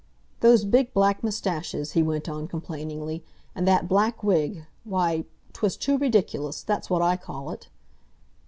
"Those big black moustaches," he went on complainingly, "and that black wig—why, 'twas too ridic'lous—that's what I call it!"